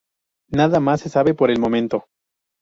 Nada más se sabe por el momento.